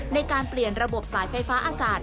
ในการเปลี่ยนระบบสายไฟฟ้าอากาศ